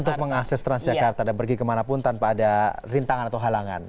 untuk mengakses transjakarta dan pergi kemana pun tanpa ada rintangan atau halangan